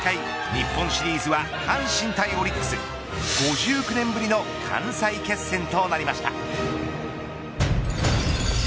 日本シリーズは阪神対オリックス５９年ぶりの関西決戦となりました。